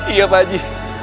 iya pak ji